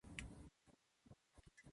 旅の途中で災難にあうたとえ。